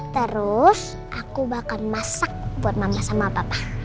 terus aku bakal masak buat mama sama papa